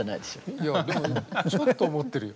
いやちょっと思ってるよ。